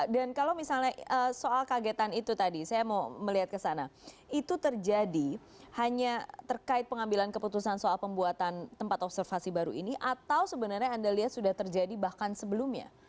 dan kalau misalnya soal kagetan itu tadi saya mau melihat ke sana itu terjadi hanya terkait pengambilan keputusan soal pembuatan tempat observasi baru ini atau sebenarnya anda lihat sudah terjadi bahkan sebelumnya